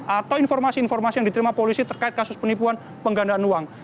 atau informasi informasi yang diterima polisi terkait kasus penipuan penggandaan uang